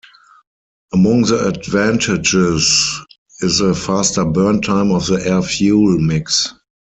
Among the advantages is a faster burn time of the air-fuel mix.